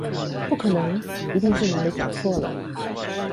不可能，一定是哪裡搞錯了！